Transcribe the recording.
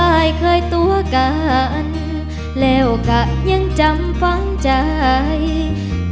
เคยตัวกันแล้วก็ยังจำฟังใจ